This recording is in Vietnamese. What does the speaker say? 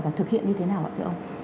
và thực hiện như thế nào ạ thưa ông